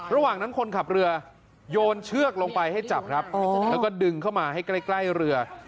ระหว่างนั้นคนขับเรือโยนเชือกลงไปให้จับครับแล้วก็ดึงเข้ามาให้ใกล้เรือ